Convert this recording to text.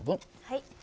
はい。